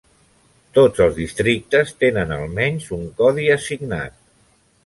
Tots els districtes tenen almenys un codi assignat.